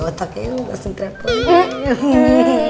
otaknya lu mbak sentrepoli